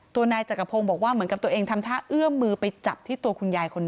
นายจักรพงศ์บอกว่าเหมือนกับตัวเองทำท่าเอื้อมมือไปจับที่ตัวคุณยายคนนี้